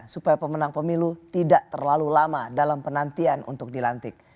supaya pemenang pemilu tidak terlalu lama dalam penantian untuk dilantik